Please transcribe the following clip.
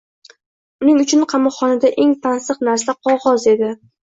…Uning uchun qamoqxonada eng tansiq narsa qog’oz edi.